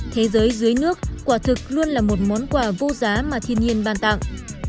thế giới dưới nước quả thực luôn là một món quà vô giá mà thiên nhiên bàn tặng